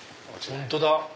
本当だ！